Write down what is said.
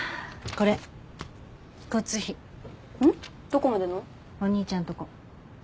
どこまでの？お兄ちゃんとこ。